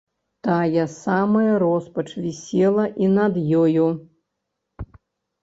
Тая самая роспач вісела і над ёю.